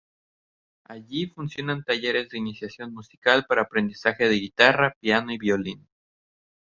Allí funcionan talleres de iniciación musical para aprendizaje de guitarra, piano y violín.